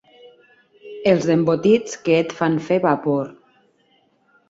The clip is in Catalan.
Els embotits que et fan fer vapor.